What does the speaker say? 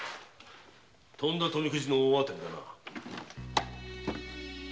とんだ富くじの大当たりだな。